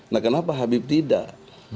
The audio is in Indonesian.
nah kenapa habib tidak